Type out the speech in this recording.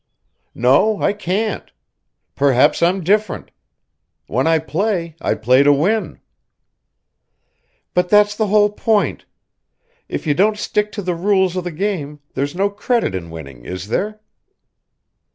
"No, I can't. Perhaps I'm different. When I play I play to win." "But that's the whole point. If you don't stick to the rules of the game there's no credit in winning, is there?"